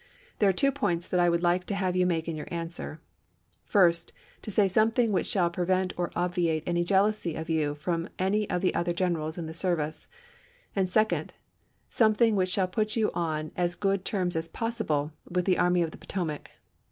There are two points that I would like to have you make in youi' answer: First, to say something which shall prevent or ob viate any jealousy of you from any of the other generals in the service; and second, something which shall put you on as good terms as possible with the Army of the Potomac.